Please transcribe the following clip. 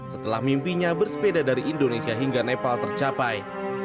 setelah mimpinya bersepeda dari indonesia hingga nepal tercapai